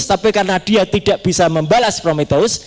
tapi karena dia tidak bisa membalas promitous